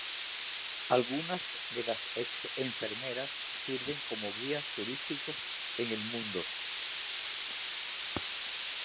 Algunas de las ex-enfermeras sirven como guías turísticos en el museo.